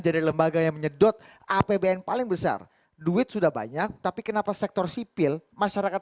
jadi lembaga yang menyedot apbn paling besar duit sudah banyak tapi kenapa sektor sipil masyarakat